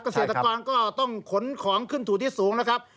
เกษตรกรก็ต้องขนของขึ้นสู่ที่สูงนะครับ